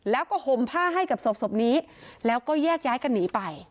แล้วก็ห่มผ้าให้กับศพนี้แล้วก็แยกย้ายกันหนีไป